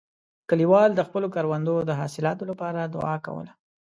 کلیوال د خپلو کروندو د حاصلاتو لپاره دعا کوله.